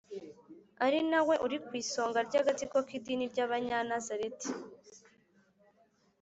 ari na we uri ku isonga ry agatsiko k idini ry Abanyanazareti